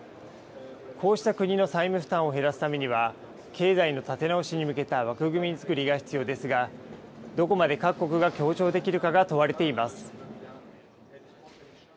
こうした国の債務負担を減らすためには、経済の立て直しに向けた枠組み作りが必要ですが、どこまで各国が協調できるかが問われています。